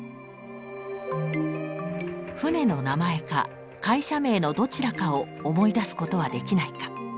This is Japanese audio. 船の名前か会社名のどちらかを思い出すことはできないか。